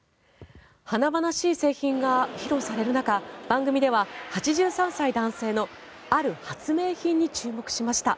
華々しい製品が披露される中番組では８３歳男性のある発明品に注目しました。